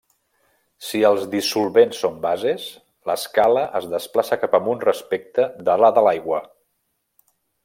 Si els dissolvents són bases, l'escala es desplaça cap amunt respecte de la de l'aigua.